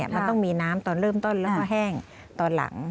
มันต้องมีน้ำตอนเริ่มต้นแล้วก็แห้งตอนหลัง